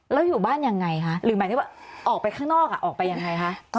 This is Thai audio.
แล้วอยู่บ้านยังไงคะหรือหมายถึงว่าออกไปข้างนอกออกไปยังไงคะ